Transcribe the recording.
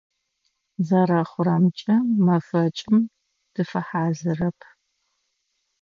Зэрэхъурэмкӏэ, мэфэкӏым тыфэхьазырэп.